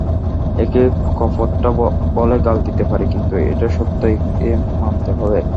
একে কপটতা বলে গাল দিতে পারি, কিন্তু এটা সত্য, একে মানতে হবে।